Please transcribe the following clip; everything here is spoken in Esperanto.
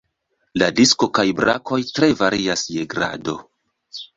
La disko kaj brakoj tre varias je grando.